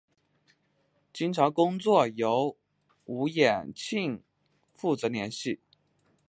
经常工作由吴衍庆负责联系。